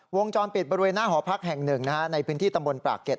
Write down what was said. วงจรปิดบริเวณหน้าหอพักแห่งหนึ่งนะฮะในพื้นที่ตำบลปรากเก็ต